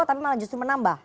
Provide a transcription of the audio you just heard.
atau justru menambah